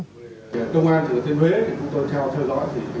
công an thừa thiên huế chúng tôi theo thơ lõi